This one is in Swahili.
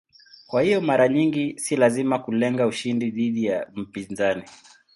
Kwa hiyo mara nyingi si lazima kulenga ushindi dhidi ya mpinzani.